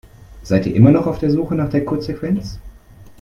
Seid ihr noch immer auf der Suche nach der Codesequenz?